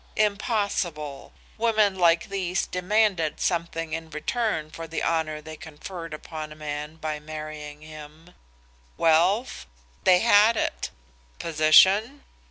Impossible. Women like these demanded something in return for the honor they conferred upon a man by marrying him. Wealth? they had it. Position?